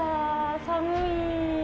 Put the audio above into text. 寒い。